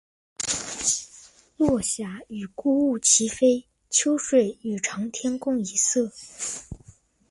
落霞与孤鹜齐飞，秋水与长天共一色。